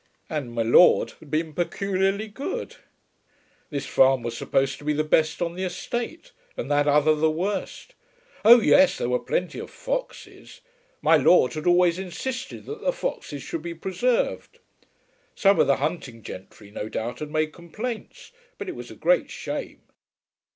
And "My Lord" had been peculiarly good. This farm was supposed to be the best on the estate, and that other the worst. Oh yes, there were plenty of foxes. "My Lord" had always insisted that the foxes should be preserved. Some of the hunting gentry no doubt had made complaints, but it was a great shame.